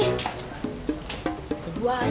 wah ban motor gue juga kempes nih